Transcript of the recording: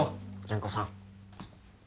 純子さん。